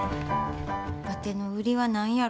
わての売りは何やろか？